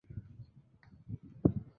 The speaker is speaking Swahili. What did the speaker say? Alipofika hakukuwa na mtu